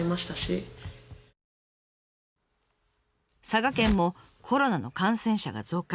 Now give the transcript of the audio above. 佐賀県もコロナの感染者が増加。